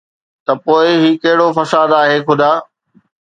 ته پوءِ هي ڪهڙو فساد آهي خدا؟